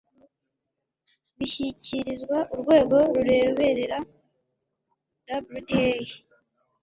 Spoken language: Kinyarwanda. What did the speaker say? bishyikirizwa urwego rureberera wda